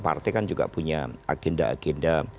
partai kan juga punya agenda agenda